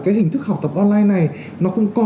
cái hình thức học tập online này nó cũng có